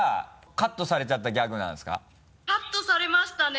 カットされましたね